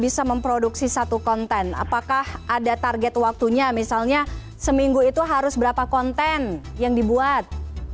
bisa memproduksi satu konten apakah ada target waktunya misalnya seminggu itu harus berapa konten yang dibuat